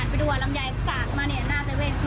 พอควันขโมงพอจังหวะหันไปดูลำไยสะออกมาหน้าเวท